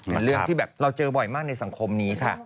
เป็นเรื่องที่แบบเราเจอบ่อยมากในสังคมนี้ค่ะ